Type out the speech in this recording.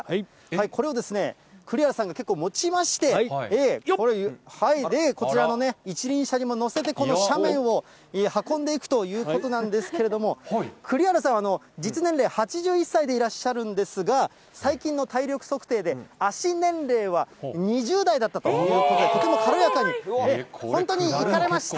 これを、栗原さんが結構持ちまして、これ、こちらの一輪車にも載せて、この斜面を運んでいくということなんですけれども、栗原さんは、実年齢８１歳でいらっしゃるんですが、最近の体力測定で、足年齢は２０代だったということで、とても軽やかに、本当に行かれました。